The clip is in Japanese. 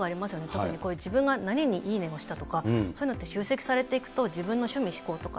特にこういう自分が何にいいねを押したとか、そういうのって集積されていくと、自分の趣味嗜好とか。